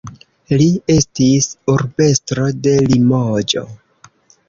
Li estis urbestro de Limoĝo.